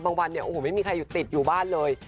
วันเนี่ยโอ้โหไม่มีใครอยู่ติดอยู่บ้านเลย